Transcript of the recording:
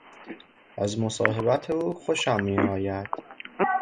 از مصاحبت او خوشم می آید.